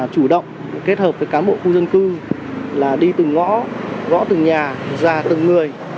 chủ động kết hợp với cán bộ khu dân cư là đi từng ngõ gõ từng nhà ra từng người